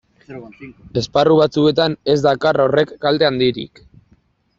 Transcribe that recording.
Esparru batzuetan ez dakar horrek kalte handirik.